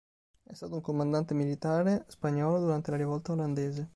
È stato un comandante militare spagnolo durante la rivolta olandese.